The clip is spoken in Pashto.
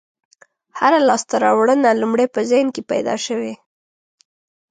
هره لاستهراوړنه لومړی په ذهن کې پیدا شوې.